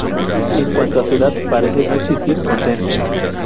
En cuanto a su edad, parece no existir consenso.